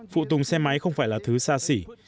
phụ tùng xe máy không phải là thứ xa xỉ